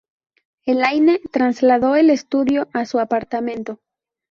Elaine trasladó el estudio a su apartamento.